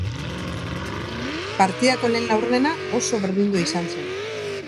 Partidako lehen laurdena oso berdindua izan zen.